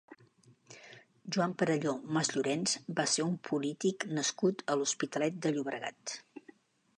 Joan Perelló Masllorens va ser un polític nascut a l'Hospitalet de Llobregat.